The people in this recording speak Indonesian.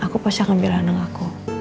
aku pasti akan belah anak aku